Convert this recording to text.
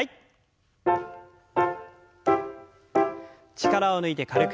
力を抜いて軽く。